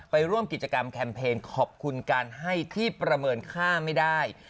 ไปร่วมกิจกรรมแคมเพลงขอบคุณการให้ที่ประเมินค่าไม่ได้